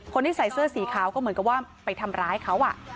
คนที่ใส่เสื้อสีขาวก็เหมือนกับว่าไปทำร้ายเขา